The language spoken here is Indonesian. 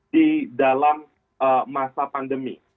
di dalam masa pandemi